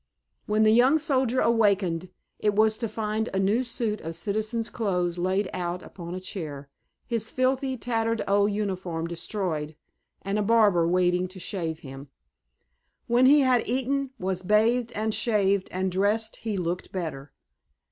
When the young soldier awakened it was to find a new suit of citizen's clothes laid out upon a chair, his filthy, tattered old uniform destroyed, and a barber waiting to shave him. When he had eaten, was bathed and shaved and dressed he looked better.